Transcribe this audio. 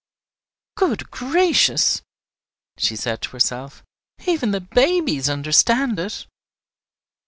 "Good gracious!" she said to herself, "even the babies understand it!"